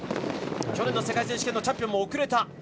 去年の世界選手権のチャンピオンも遅れた。